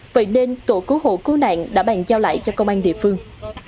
vậy nên tổ cứu hộ cứu nạn đã bàn giao lại cho công an địa phương